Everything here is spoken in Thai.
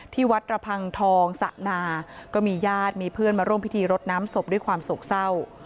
ที่วัดระพังทองสะนาก็มีญาติมีเพื่อนมาร่วมพิธีรดน้ำศพด้วยความโศกเศร้า